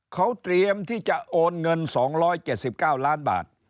เขาเตรียมที่จะโอนเงิน๒๗๙ล้านบาท